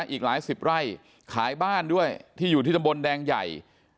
อีกหลายสิบไร่ขายบ้านด้วยที่อยู่ที่ตำบลแดงใหญ่